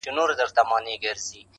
زه قاسم یار چي تل ډېوه ستایمه,